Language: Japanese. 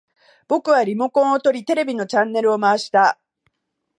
僕はリモコンを取り、テレビのチャンネルを回した